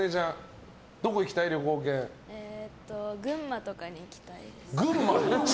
群馬とかに行きたいです。